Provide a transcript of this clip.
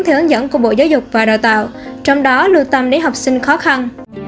theo hướng dẫn của bộ giáo dục và đào tạo trong đó lưu tâm đến học sinh khó khăn